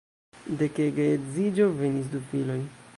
De ke geedziĝo venis du filoj.